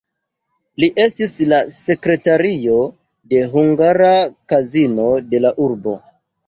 Li estis la sekretario de hungara kazino de la urbo.